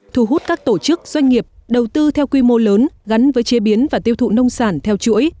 thu hút các tổ chức doanh nghiệp đầu tư theo quy mô lớn gắn với chế biến và tiêu thụ nông sản theo chuỗi